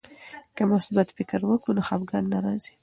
که مثبت فکر وکړو نو خفګان نه راځي.